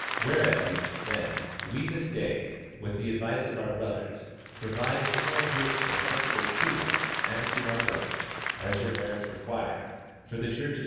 Whereas, then, we this day, with the advice of our brothers, provide in your person, acceptable to us and to our brothers, as your merits rec^uire, for the church of S.